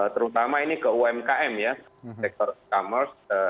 terutama ini ke umkm ya sektor e commerce